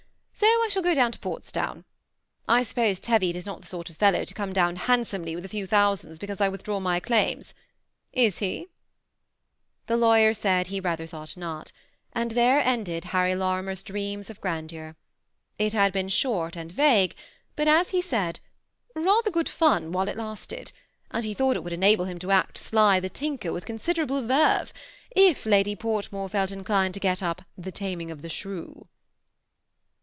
So I shall go down to Portsdown. I suppose Teviot is not the sort of fellow to come down handsomely with a few thousands, because I withdraw my claims. Is he ?" The lawyer said he rather thought not ; and there ended Harry Lorimer's dream of grandeur. It had been short and vague, but, as he said, ^ rather good fun while it lasted ; and he thought it would enable him to act Sly the tinker, with considerable verve, if Lady Portmore felt inclined to get up * The Taming of the Shrew.'